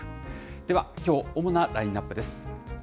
では、きょう、主なラインナップです。